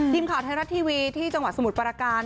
ทีมข่าวไทยรัฐทีวีที่จังหวัดสมุทรปราการ